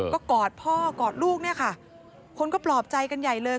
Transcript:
ก็กอดพ่อกอดลูกเนี่ยค่ะคนก็ปลอบใจกันใหญ่เลย